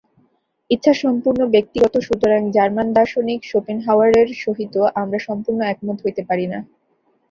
ইচ্ছা সম্পূর্ণ ব্যক্তিগত সুতরাং জার্মান দার্শনিক শোপেনহাওয়ারের সহিত আমরা সম্পূর্ণ একমত হইতে পারি না।